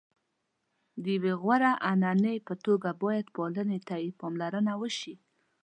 د یوې غوره عنعنې په توګه باید پالنې ته یې پاملرنه وشي.